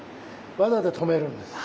技で止めるんです。